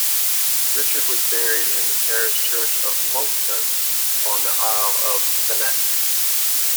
Richard was buried in the parish church of Monkton, on the Isle of Thanet.